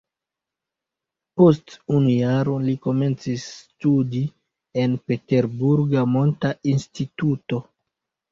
Post unu jaro li komencis studi en peterburga monta instituto.